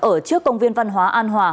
ở trước công viên văn hóa an hòa